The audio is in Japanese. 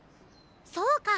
そうか。